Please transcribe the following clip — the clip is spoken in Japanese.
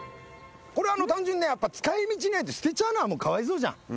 これ単純に使い道ないって捨てちゃうのはかわいそうじゃん。